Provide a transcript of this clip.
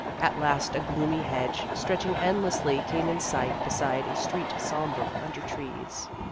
At last, a gloomy hedge stretching endlessly came in sight beside a street sombre under trees.